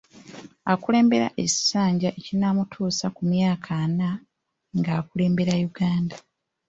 Akulembere ekisanja ekinaamutuusa ku myaka ana ng'akulembera Uganda.